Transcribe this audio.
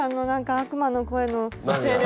悪魔の声のせいで。